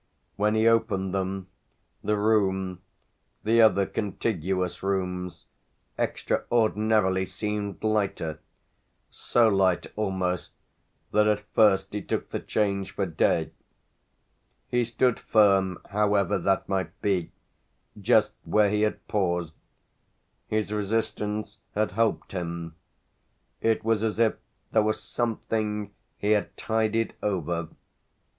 When he opened them the room, the other contiguous rooms, extraordinarily, seemed lighter so light, almost, that at first he took the change for day. He stood firm, however that might be, just where he had paused; his resistance had helped him it was as if there were something he had tided over.